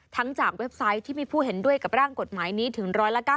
จากเว็บไซต์ที่มีผู้เห็นด้วยกับร่างกฎหมายนี้ถึง๑๙๐